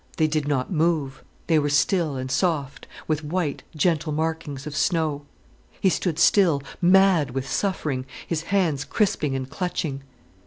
They did not move, they were still and soft, with white, gentle markings of snow. He stood still, mad with suffering, his hands crisping and clutching.